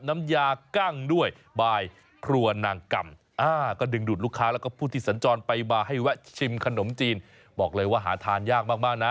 มาให้แวะชิมขนมจีนบอกเลยว่าหาทานยากมากนะ